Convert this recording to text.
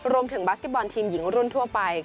บาสเก็ตบอลทีมหญิงรุ่นทั่วไป